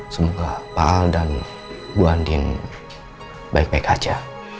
semoga pak al dan bu andin baik baik aja